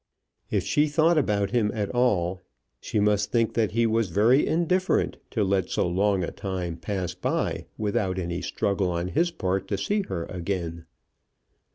If she thought about him at all, she must think that he was very indifferent to let so long a time pass by without any struggle on his part to see her again.